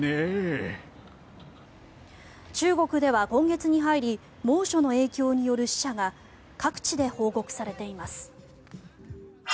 中国では今月に入り猛暑の影響による死者が各地で報告されています。